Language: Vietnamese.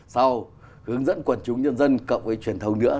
sau hướng dẫn quần chúng nhân dân cộng với truyền thông nữa